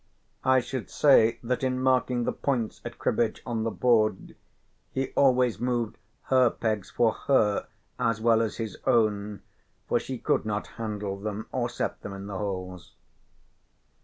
I should say that in marking the points at cribbage on the board he always moved her pegs for her as well as his own, for she could not handle them or set them in the holes.